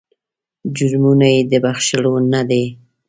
جرمونه یې د بخښلو نه دي.